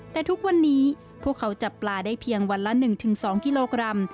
แต่ทุกวันนี้พวกเขาจับปลาได้เพียงวันละ๑๒กิโลกรัม